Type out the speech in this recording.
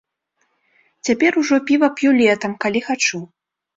Цяпер ужо піва п'ю летам, калі хачу.